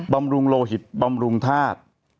บำรุงโลหิตบำรุงธาตุ